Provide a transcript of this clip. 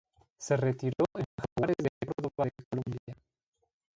Se retiró en Jaguares de Córdoba de Colombia.